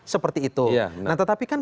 seperti itu nah tetapi kan